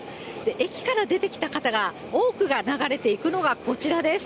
駅から出てきた方が多くが流れていくのがこちらです。